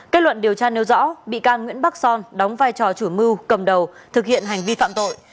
kết luận điều tra nêu rõ bị can nguyễn bắc son đóng vai trò chủ mưu cầm đầu thực hiện hành vi phạm tội